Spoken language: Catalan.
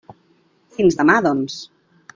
Fins demà, doncs.